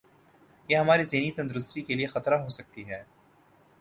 یہ ہماری ذہنی تندرستی کے لئے خطرہ ہوسکتی ہے